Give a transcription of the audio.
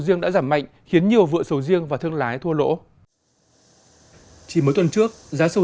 riêng đã giảm mạnh khiến nhiều vựa sầu riêng và thương lái thua lỗ chỉ mấy tuần trước giá sầu